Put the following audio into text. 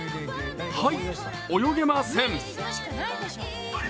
「はい、泳げません」。